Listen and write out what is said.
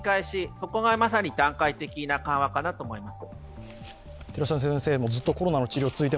そこがまさに段階的な緩和かなと思います。